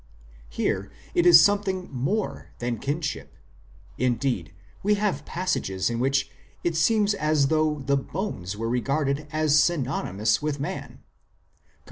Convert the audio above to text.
Here it is something more than kinship ; indeed, we have passages in which it seems as though the bones were regarded as synonymous with man (cp.